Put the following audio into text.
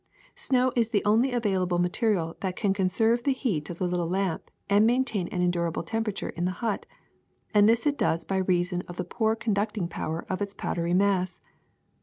Snow is the only available material that can conserve the heat of the little lamp and maintain an endurable temperature in the hut ; and this it does by reason of the poor conducting power of its powdery mass.